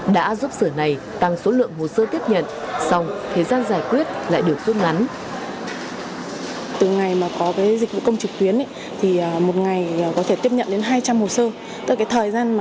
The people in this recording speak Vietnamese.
đã giúp sở này tăng số lượng hồ sơ tiếp nhận xong thời gian giải quyết lại được rút ngắn